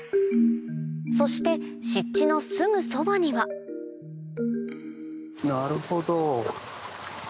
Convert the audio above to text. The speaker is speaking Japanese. そして湿地のすぐそばにはなるほど。